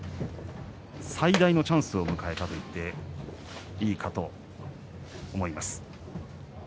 最大のチャンスを迎えたと言っていいかと思います。